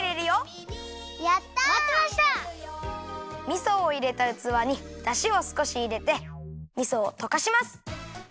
みそをいれたうつわにだしをすこしいれてみそをとかします。